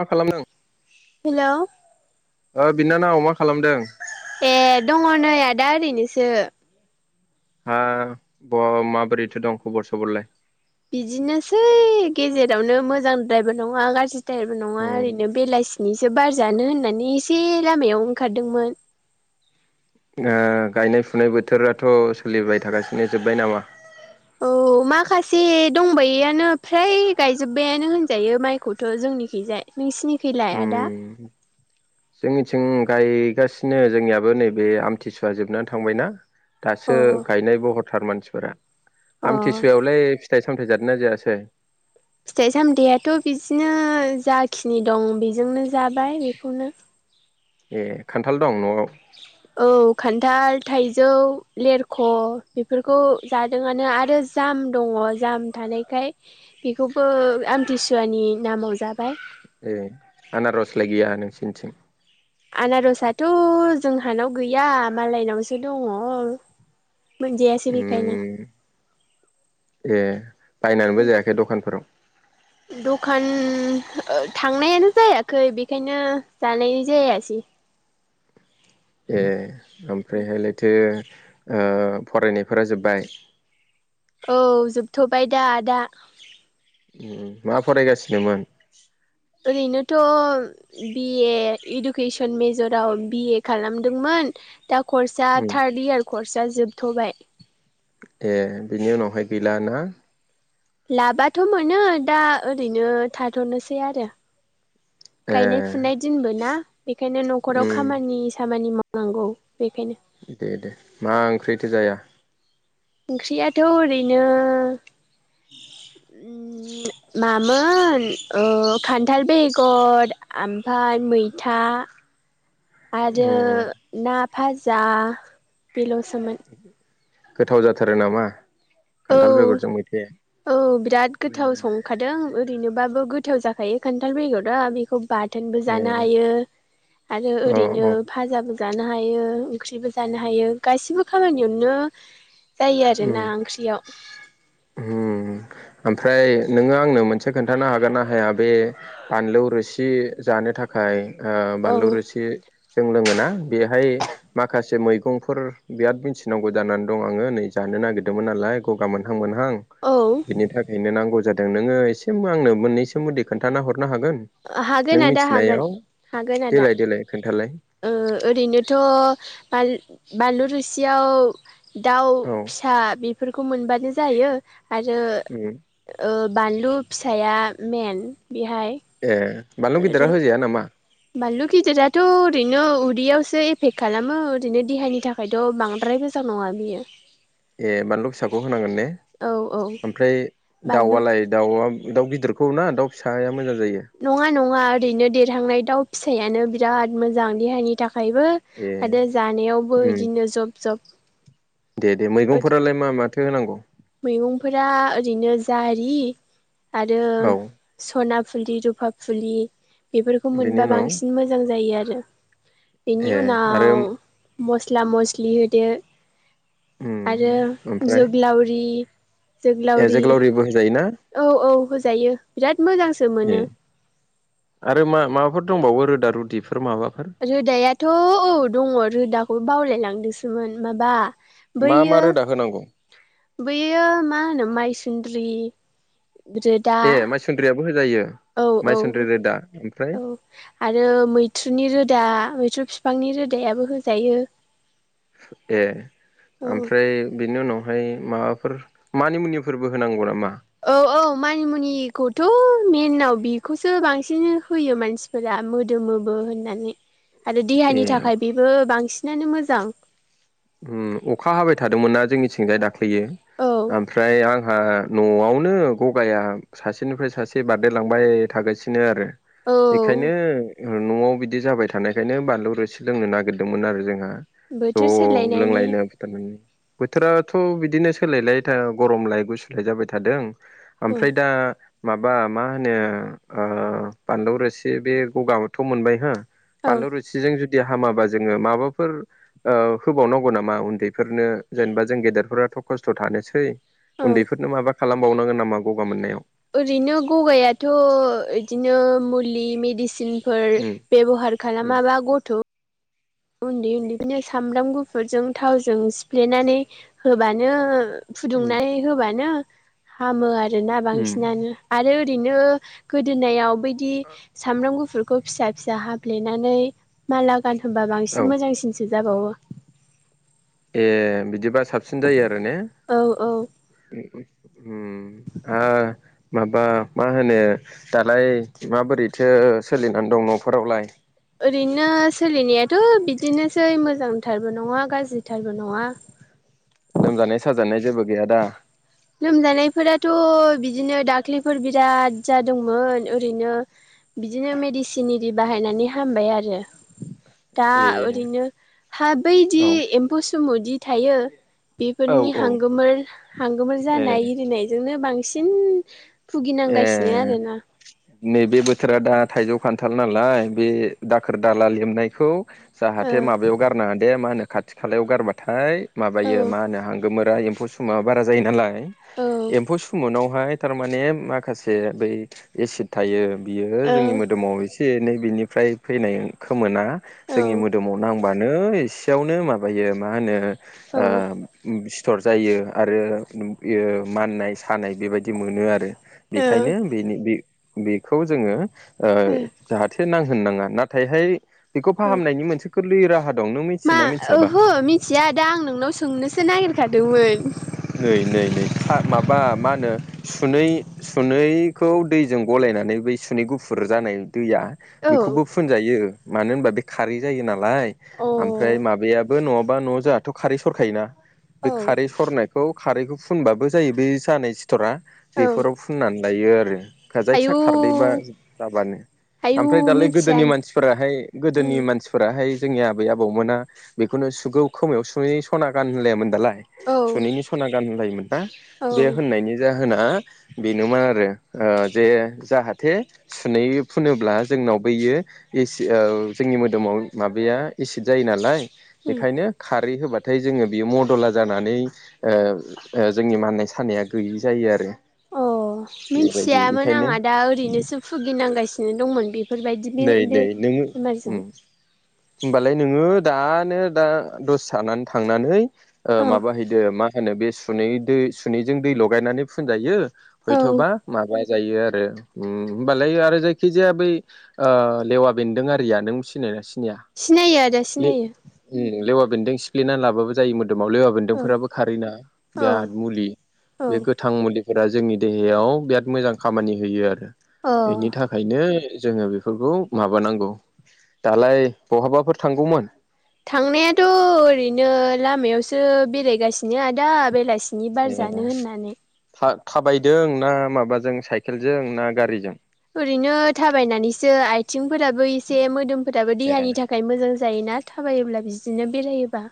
मा खालामदों हेलौ ओ बिनानाव मा खालामदों ए दङ नै आदा ओरैनोसो हा बहा माबोरैथो दं खबर सबरलाय बिदिनोसै गेजेरावनो मोजांद्रायबो नङा गाज्रि द्रायबो नङा उम ओरैनो बेलासिनिसो बारजानो होननानै एसे लामायाव ओंखारदोंमोन ओ गायनाय फुनाय बोथोराथ' सोलिबाय थागासिनो जोब्बाय नामा औ माखासे दंबायैआनो फ्राय गायजोब्बायानो होनजायो माइखौथ' जोंनिखैजाय नोंसिनिखैलाय आदा उम जोंनिथिं गायगासिनो जोंनियाबो नैबे आमथिसुवा जोबनानै थांबायना दासो अ गायनायबो हरथार मानसिफोरा अ आमथिसुवायावलाय फिथाइ सामथाय जादोंना जायासै फिथाइ सामथायाइआथ' बिदिनो जाखिनि दं बेजोंनो जाबाय बेखौनो ए खान्थाल दं न'आव औ दाल थाइजौ लेरख' बेफोरखौ जादोंआनो आरो जाम दङ जाम थानायखाय बेखौबो आमथिसुवानि नामाव जाबाय ए आनारसला गैया नोंसिनिथिं आनारसथ' जोंहानाव गैया मालायनावसो दङ मोनजे ए उम बिखाय नो ए बायनानैबो जायाखै दखानफोराव खान ओ थांनायानो जायाखै बेखायनो जानाय जायासै। ए ओमफ्रायहाय लायथो। ओ फरायनायफोरा जोब्बाय। औ जोबथ'बाय दा आ दा। उम उम मा फरायगासिनोमोन? ओरैनोथ' बिए इडुकेसन मेजराव बिए खालामदोंमोन दा कर्स उम थार्ड इयार कर्स जोबथ'बाय। ए बिनि उनावहाय गैला ना? लाबथ' मोनो दा ओरैनो थाथ'नोसै आरो ए गायनाय फुनाय दिनबो ना बेखायनो न'खराव उम खामानि खामानि माव नांगौ बेखायनो। दे दे मा ओंख्रिथो जाया? ओंख्रियाथ' ओरैनो मामोन ओ खान्थाल बेगर ओमफ्राय मैथा। दा। [unintelligible] आरो उम ना फाजा बेल'सोमोन। गोथाव जाथारो नामा औ खान्थाल बेगरजों मैथाया औ बिराद गोथाव उम संखादों ओरैनोबाबो गोथाव जाखायो खान्थाल बेगायाव दा बेखौ बाथोनबो ए जानो हायो आरो औ ओरैनो औ फाजाबो ज हायो ओंख्रिबो जानो हायो गासिबो खामानियावनो जायो आरोना ख्रि हम ओमफ्राय नोङो आंनो मोनसे खोन्थानो हागोन ना हाया बे फानलौ रोसि जानो थाखाय ओ औ बानलु रोसि जो बेहाय मसे मै सिखंफोर बिराद मिथिनांगौ जानानै दं आङो नै जानो नागिरदोंमोन नालाय गगाोनहा औ नि थाखायनोांग जादों नो आ सोमोन्दै खथा ह हरनो हागोन हागोन नों आदा हागोन मिथिनायाव हागोन आदा देलाय देलाय खोन्थालाय ओरैनोथ' बानलु रोसियाव दाउ औ फिसा बेफोरखौ मोनबानो जायो आरो उम बानलु फिसाया मन बेहाय ए बानलु ओरै गिदिरा होजाया नामा बानलु गिदिराथ' ओरैनो उदैयावसो एफेक्ट खालामो ओरैनो देहानि थाखायथ' बांद्राय मोजां नङा बियो। ए बानलु फिसाखौ होनांगोन ने औ औ ओमफ्राय बानलु दाउआलाय दाउआ दाउ गिदिरखौ ना दाउ फिसाया मोजां जायो नङा नङा ओरैनो देरहांनाय दाउ फिसायानो बिराद मोजां देहानि थाख आयबो ए आरो जानायावबो उम बिदिनो जब जब दे दे मैगंफोरालाय मा माथो होनांगौ मैगंफोरा ओरैनो जारि आरो औ सना फुलि रुपा फुलि बेफोरखौ बेनि मोनबा उनाव बांसिन मोजां जायो आरो बेनि ए आरो उनाव मस्ला मस्लि होदो। उ ओमफ्राय आवरि ए जोग्लावरिबो होजायोना औ औ होजायो बिराद मोजांसो ए मोनो आरो मा माबाफोर दंबावो रोदा रुदिफोर माबा रोदायाथ' औ दङ रोदाखौ बावलायलांदोंसोमोन माबा मा मा बैयो रोदा होनांगौ बैयो मा होनो माइसुन्द्रि रोदा ए माइसुन्द्रियाबो होजायो औ माइसुन्द्रि औ रोदा ओमफ्राय औ आरो मैथ्रुनि रोदा मैथ्रु फि फांनि रोदायाबो होजायो ए औ ओमफ्राय बेनि उनाव ओमफ्राय माबाफोर मानि मुनिफोरबो होनांगौ नामा थ' मेनाव बिखौसो बांसिन होयो मानसिफोरा मोदोमोबो होननानै आरो ए देहानि थाखाय बेबो बांसिनानो मोजां उम अखा हाबाय थादोंमोनना जोंनिथिं जाय दाख्लैयो औ ओमफ्राय आं हा न'आवनो गगाया सासेनिफ्राय सासे बारदेरलांबाय थागासिनो आरो औ बेखायनो न'आव बिदि जाबाय थानायखायनो बानलु रोसि लोंनो नागिरदोंमोन आरो जोंहा बोथोर सोलाय ज' लोंलायनो बुथारदोंमोन बोथोरा थ' बिदिनो सोलायलाय गरमलाय गुसुलाय जाबाय थादों औ ओमफ्राय दा माबा मा होनो ओ बानलौ रोसि बे गगाबोथ' मोनबाय हो औ बानलु रोसिजों जुदि हामाबा जोङो माबाफोर ओ होबावनांगौ नामा उन्दैफोरनो जेनबा जों गेदेरफोराथ' खस्थ' थानोसै औ उन्दैफोरनो माबा खालामबावनांगोन नामा गगा मोननायाव ओरैनो गगायाथ' इदिनो मुलि मेडिसिन फोर बेब'हार उम खालामाबा गथ' उन्दै उन्दै बिनो सामब्राम गुफुरजों थावजों सिफ्लेनानै होबानो उम फुदुंनानै होबानो हामो आरोना उम बांसिनानो आरो रैनो गोदोनायाव बैदि सामब्राम गुफुर खौ फिसा फिसा हाबफ्लेनानै माला गानहोबा औ बांसिन मोजांसिनसो जाबावो ए बिदिबा साबसिन जायो आरो ने औ औ उम उम उम आ माबा मा होनो दालाय माबोरैथो सोलिनानै दं न'फोरावलाय ओरैनो सोलिनायाथ' बिदिनोसै मोजांथारबो नङा गाज्रिथारबो नङा लोमजानाय साजानाय जेबो गैया दा लोमजानायफोराथ' बिदिनो दाख्लिफोर बिराद जादोंमोन ओरैनो बिदिनो मेडिसिन इरि बाहायनानै हामबाय आरो दा ए ओरैनो हा बैदि औ एम्फौ सुमुदि थायो औ बेफोरनि औ हांगोमोर- हांगोमोर ए जानाय इरिनायजोंनो बांसिन भुगिनांगासिनो ए आरोना नैबे बोथोरा दा थाइजौ खान्थाल नालाय बे दाखोर दाला लेमनायखौ जाहाथे माबायाव गारनाङादे मा होनो खाथि खालायाव गारबाथाय माबायो ओ मा होनो हांगोमोर फ्रा एम्फौ सुमुआ बारा जायो नालाय औ एम्फौ सुमुनावहाय थार माने माखासे बै एसिड थायो बियो औ जोंनि औ मोदोमाव एसे एनै बिनिफ्राय फैनाय खोमोना जोंनि मोदोमाव नांबा नो एसेयावनो माबायो मा होनो ओ [unintelligible] थ'र जायो आरो इयो माननाय सानाय बेबायदि मोनो आरो बेखायनो बेनि बे-बेखौ जोङो ओ जाहाथे नां होननाङा नाथायहाय बेखौ ओ फाहामनायनि मोनसे गोरलै राहा दं नों मा मिथियोना मिथियाबा ओहो मिथिया दा आं नोंनाव सोंनोसो नागिरखादोंमोन नै नै नै खा माबा मा होनो सुनै सुनैखौ दैजों गलाय नानै बे सुनै गुफुर जानाय दैया औ बेखौबो फुनजायो मानो होनबा बे खारै जायो ना लाय अ आमफ्राय माबायाबो नङाबा न' जाथ' खारै सरखायोना बे औ खारै सनाय खौ खारैखौ फुनबाबो जायो बै जानाय सिथ'रा औ बेफोराव फुननानै लायो आरो जायखि आयौ खारदैबा जाबानो आयौ ओमफ्राय दालाय मिथिया गोदोनि मानसिफोराहाय गोदोनि उम मानसिफोराहाय जोंनि आबै - आबौमोना बेखौनो सुगौ खोमायाव सुङै सना गान होनलायामोन दालाय औ सुनैनि सना गान होनलायोमोन ना औ बे होननायनि जा होना बेनोमोन आरो जे जाहाथे सुनै फुनोब्ला जोंनाव जोंनि मोदोमाव माबाया इसिद जायो नालाय उम बेखायनो खारै होबाथाय जोङो बियो मदला जानानै जोंनि माननाय सानाया गैयि जायो आरो अ बेबायदि मिथियामोन बेखायनो आंहा दा ओरैनोसो भुगिनांगासिनो दंमोन बे बेफोरबायदि बे नै बे नै नों बेमारजों उम होमबालाय नोङो दानो दा दसे जानानै थांनानै औ माबाहैदो मा होनो बे सुनै दै सुनैजों दै लगायनानै फुनजायो औ हयथबा माबा जायो आरो होमबालाय आरो जायखिजाया बै लेवा बेन्दों आरिया नों सिनायना सिनाय सिनायो आदा सिनायो बेदों सिफ्लेना लाबो जायोमोन दाव लेवा औ बेदोंफोराबो खारै ना औ बिराद मुलि औ बे गोथां म फोर जोंनि देहायाव बिराद मोजां खामानि होयो आरो अ बेनि थाखायनो जोङो बेफोरखौ माबानांगौ दालाय बहाबाफोर थांगौमोन थांनायाथ' ओरैनो लामायावसो बेरायगासिनो आदा बेलासि सनि बार जानो होननानै थाबायदों ना माबाजों साइकेलजों ना गारिजों ओरैनो थाबायनानैसो आथिंफोराबो एसे मोदोम फोरोथाबो ए देहानि थाखाय मोजां जायोना थाबायोब्ला बिदिनो बेरायोबा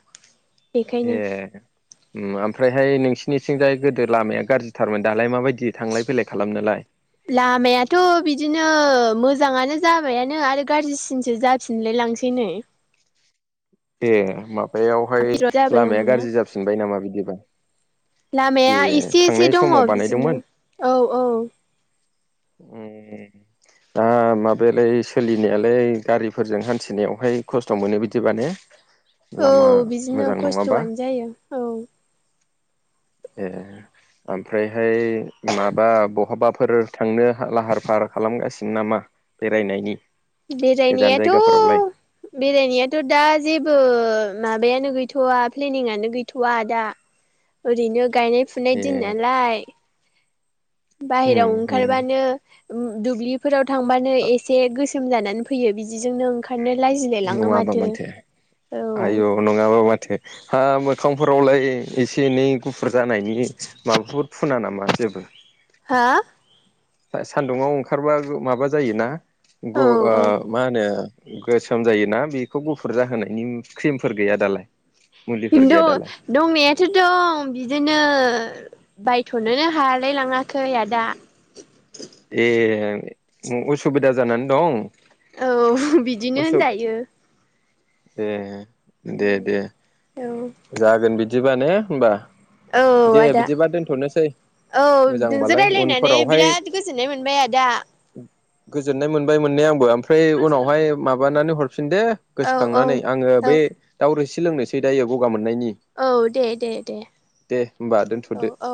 बेखायनो ए ओमफ्रायहाय नोंसिनिथिंजाय गोदो लामाया गाज्रिथारमोन दालाय माबायदि थांलाय फैलाय खालामनोलाय? लामायाथ' बिदिनो मोजाङानो जाबायानो आरो गाज्रिसिनसो जाफिनलाय लांसै नै ए माबायावहाय गिदिर लामाया जाबोदोंमोन ना गाज्रि जाफिनबाय नामा बिदिबा ए लामाया एसे एसे थांनाय दङ समाव बिदिनो बानायदोंमोन? औ -औ [inaudible] दा माबायालाय सोलिनायालाय गारिफोरजों हान्थिनायावहाय खस्थ' मोनो बिदिबाने औ लामा बिदिनो मोजां नङाबा खस्थ'आनो जायो औ ए ओमफ्रायहाय माबा बहाबाफोर थांनो लाहार - फाहार खालामगासिनो नामा बेरायनायनि गोजान बेरायनायाथ' जायगाफोरावलाय बेरायनायाथ' दा जेबो माबा माबायानो गैथ'वा प्लेनिंनो गैथ'वा दा ओरैनो गायनाय फुनाय ए दिन नालाय उम बाहेराव उम ओंखारबानो दुब्लिफोराव थांबानो एसे गोसा जानानै फैयो बिदिजोंनो ओंखा नङाबा माथो औ आयु नङाबा माथो हा मो मोखांफोरावलाय एसे - एनै गुफुर जानायनि माबाफोर फुना नामा जेबो हा सान्दुुं आव ओंखारबा माबा जायोना औ ओ औ मा होनो गोसोम जायोना बेखौ गुफुर जाहोनायनि क्रिमफोर गैया दालाय मुलिफोर खिन्थु गैया दालाय दंनायाथ' दं बिदिनो बायथ'नोनो हालाय लाङाखै आदा ए उसुबिदा जानानै दं औ बिदिनो होनजायो दे- दे - दे औ जागोन बिदिबा ने होमबा औ दे आदा बिदिबा दोनथ'नोसै औ नोंजों मोजांबालाय रायलायनानै उनफोरावहाय बिराद गोजोननाय मोनबाय आदा गोजोननाय मोनबाय मोननाया आंबो ओमफ्राय उनावहाय माबानानै हरफिन हरफिन दे औ औ गोसोखांनानै आङो औ बे दाउरोसि लोंनोसै दायो गगा मोन मोननायनि औ दे दे दे दे होमबा औ दोनथ'दो [unintelligible] औ